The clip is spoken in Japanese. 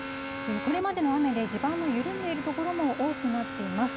これまでの雨で、地盤の緩んでいる所も多くなっています。